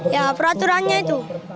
ya peraturannya itu